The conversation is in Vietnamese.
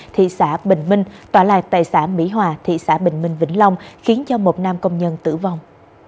thị xã bình minh tọa lạc tại xã mỹ hòa thị xã bình minh vĩnh long khiến cho một nam công nhân tử vong